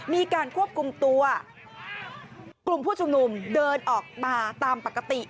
มีการควบคุมตัวกลุ่มผู้ชุมนุมเดินออกมาตามปกติ